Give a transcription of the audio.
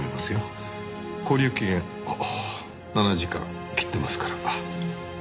勾留期限おお７時間切ってますから。